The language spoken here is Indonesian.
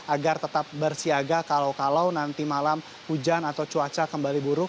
agar tetap bersiaga kalau kalau nanti malam hujan atau cuaca kembali buruk